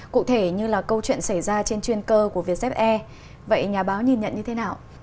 cụ thể như là câu chuyện xảy ra trên chuyên cơ của vietjet air vậy nhà báo nhìn nhận như thế nào